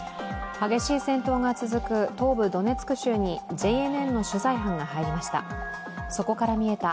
激しい戦闘が続く東部ドネツク州にＪＮＮの取材班が入りました。